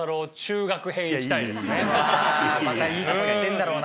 またいいとこ行ってんだろうな。